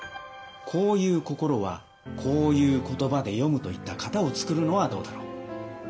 こういう心はこういう言葉で詠むといった型を創るのはどうだろう。